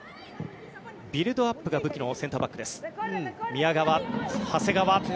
ビルドアップが武器のセンターバックです。